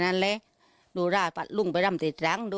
โนราปัดไปรำที